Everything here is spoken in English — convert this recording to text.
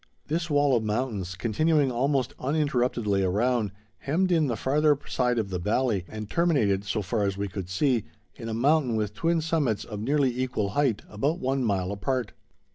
This wall of mountains, continuing almost uninterruptedly around, hemmed in the farther side of the valley and terminated, so far as we could see, in a mountain with twin summits of nearly equal height, about one mile apart.